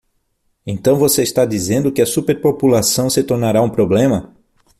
Então você está dizendo que a superpopulação se tornará um problema?